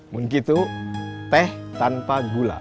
mungkin tuh teh tanpa gula